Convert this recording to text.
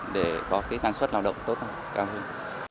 để có cái năng suất lao động tốt hơn cao hơn